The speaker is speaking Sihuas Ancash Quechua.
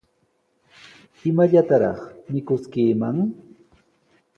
¿Imallataraq mikuskiiman?